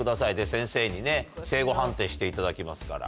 先生にね正誤判定していただきますから。